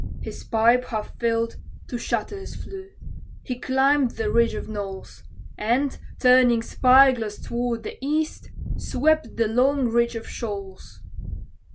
His pipe, half filled, to shatters flew; he climbed the ridge of knolls; And, turning spy glass toward the east, swept the long reach of Shoals.